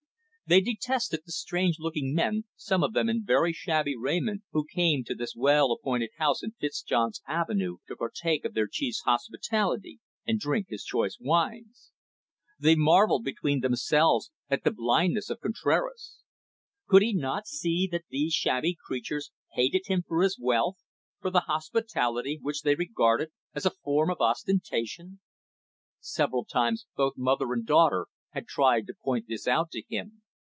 They detested the strange looking men, some of them in very shabby raiment, who came to this well appointed house in Fitzjohn's Avenue, to partake of their chief's hospitality and drink his choice wines. They marvelled between themselves at the blindness of Contraras. Could he not see that these shabby creatures hated him for his wealth, for the hospitality which they regarded as a form of ostentation? Several times both mother and daughter had tried to point this out to him.